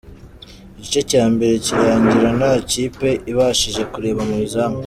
Igice cya mbere kirangira nta kipe ibashije kureba mu izamu.